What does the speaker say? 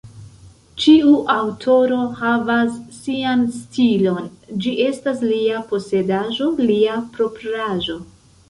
Ĉiu aŭtoro havas sian stilon, ĝi estas lia posedaĵo, lia propraĵo.